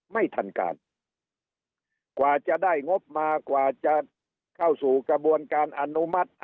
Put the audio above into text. ไม่ทันการกว่าจะได้งบมากว่าจะเข้าสู่กระบวนการอนุมัติ